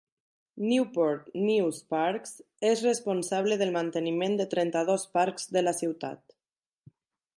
Newport News Parks és responsable del manteniment de trenta-dos parcs de la ciutat.